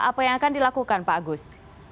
apa yang akan dilakukan pak agus